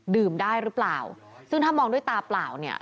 ได้หรือเปล่าซึ่งถ้ามองด้วยตาเปล่าเนี่ย